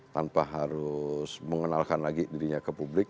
tanpa harus mengenalkan lagi dirinya ke publik